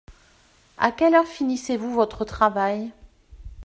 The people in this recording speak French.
À quelle heure finissez-vous votre travail ?